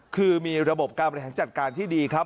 คือมีระบบการบริหารจัดการที่ดีครับ